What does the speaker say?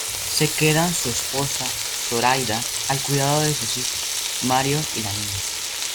Se quedan su esposa Zoraida al cuidado de sus hijos, Mario y la niña.